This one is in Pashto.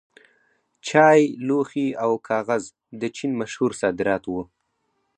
چای، لوښي او کاغذ د چین مشهور صادرات وو.